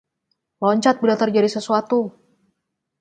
Loncat bila terjadi sesuatu.